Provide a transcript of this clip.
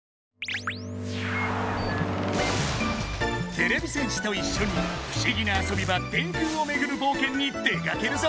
てれび戦士といっしょに不思議な遊び場電空をめぐる冒険に出かけるぞ！